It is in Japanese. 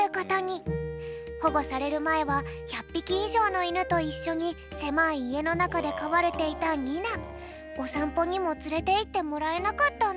ほごされるまえは１００ぴきいじょうのいぬといっしょにせまいいえのなかでかわれていたニナ。おさんぽにもつれていってもらえなかったんだって。